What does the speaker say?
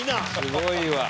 すごいわ。